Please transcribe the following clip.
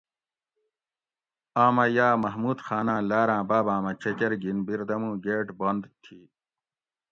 آمہ یاۤ محمود خاناۤں لاراۤں باباۤمہ چکۤر گِھین بِیردموں گیٹ بند تھی